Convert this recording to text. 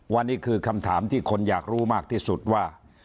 วันนี้คือคำถามที่คนอยากรู้มากที่สุดว่า